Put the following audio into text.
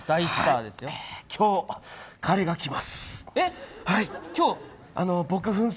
今日、彼が来ます。